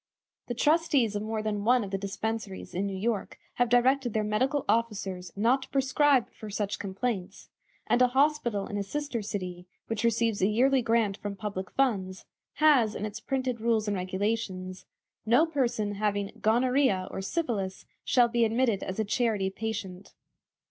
The trustees of more than one of the dispensaries in New York have directed their medical officers not to prescribe for such complaints, and a hospital in a sister city, which receives a yearly grant from public funds, has in its printed rules and regulations: "No person having 'Gonorrhoea' or 'Syphilis' shall be admitted as a charity patient."